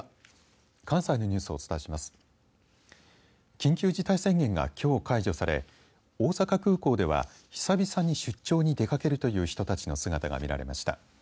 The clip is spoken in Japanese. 緊急事態宣言がきょう解除され大阪空港では久々に出張に出かけるという人たちの姿が見られました。